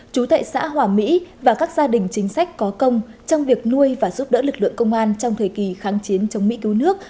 chú thệ xã hòa mỹ và các gia đình chính sách có công trong việc nuôi và giúp đỡ lực lượng công an trong thời kỳ kháng chiến chống mỹ cứu nước